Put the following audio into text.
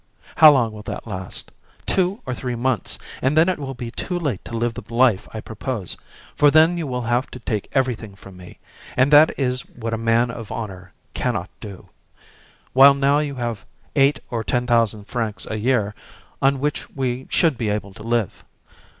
How long will that last? Two or three months, and then it will be too late to live the life I propose, for then you will have to take everything from me, and that is what a man of honour can not do; while now you have eight or ten thousand francs a year, on which we should be able to live.